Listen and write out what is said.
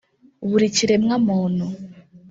buri kiremwamuntu